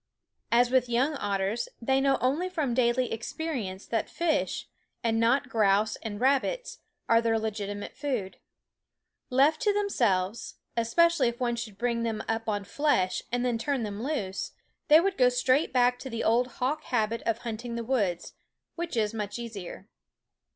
As with young otters, they know only from daily experience that fish, and not grouse and rabbits, are their legitimate food. Left to themselves, especially if one should bring them up on flesh and then turn them loose, they would go straight back to the old hawk habit of hunting the woods, which is much easier.